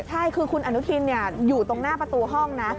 ใช่คือคุณอนุทินอยู่ตรงหน้าประตูห้องนะ